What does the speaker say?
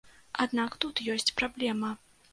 Аднак тут ёсць праблема.